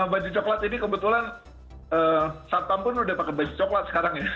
baju coklat ini kebetulan satpam pun udah pakai baju coklat sekarang ya